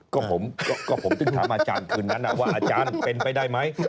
ก็ผมถึงถามอาจารย์คืนนั้นว่าอาจารย์เป็นไปได้ไหม